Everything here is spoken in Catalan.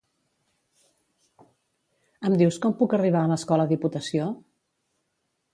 Em dius com puc arribar a l'Escola Diputació?